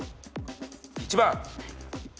１番。